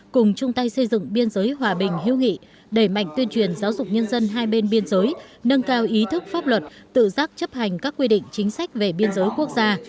cùng chung tay xây dựng biên giới hòa bình hữu nghị đẩy mạnh tuyên truyền giáo dục nhân dân hai bên biên giới nâng cao ý thức pháp luật tự giác chấp hành các quy định chính sách về biên giới quốc gia